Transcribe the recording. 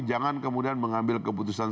jangan kemudian mengambil keputusan